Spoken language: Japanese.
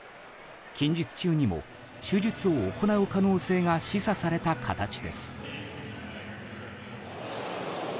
近日中にも手術を行う可能性が示唆された形です。